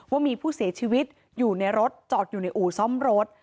ว่ามีผู้เสียชีวิตอยู่ในรถจอดอยู่ในอู่ซ่อมรถ